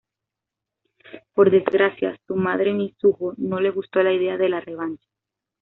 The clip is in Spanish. Por desgracia, su madre Mizuho, no le gustó la idea de la revancha.